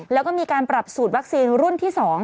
แล้วก็มีการปรับสูตรวัคซีนรุ่นที่๒